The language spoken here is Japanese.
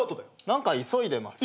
何か急いでます？